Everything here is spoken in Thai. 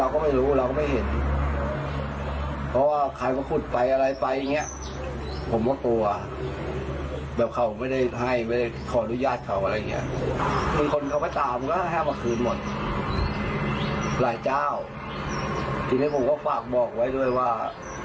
อะไรอย่างเงี้ยคนเขาไปตามก็แห้งมาคืนหมดหลายเจ้าทีนี้ผมก็ฝากบอกไว้ด้วยว่า